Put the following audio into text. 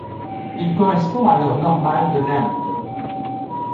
Il correspond à l'heure normale de l'Inde.